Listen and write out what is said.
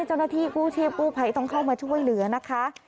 เจ้าหน้าที่กู้ชีพกู้ภัยต้องเข้ามาช่วยเหลือนะคะ